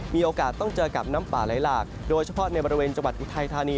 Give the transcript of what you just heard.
มีโอกาสต้องเจอกับน้ำป่าไหลหลากโดยเฉพาะในบริเวณจังหวัดอุทัยธานี